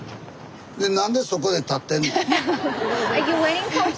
何でそこで立ってんの？